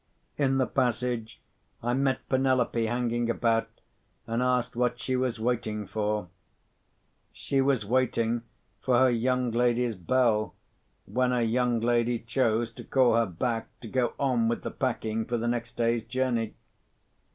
In the passage, I met Penelope hanging about, and asked what she was waiting for. She was waiting for her young lady's bell, when her young lady chose to call her back to go on with the packing for the next day's journey.